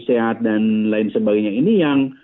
sehat dan lain sebagainya ini yang